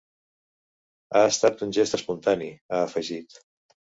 Ha estat un gest espontani, ha afegit.